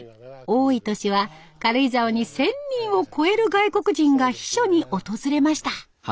多い年は軽井沢に１，０００人を超える外国人が避暑に訪れました。